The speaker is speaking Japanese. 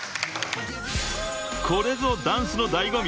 ［これぞダンスの醍醐味］